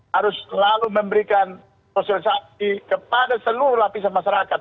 harus selalu memberikan sosialisasi kepada seluruh lapisan masyarakat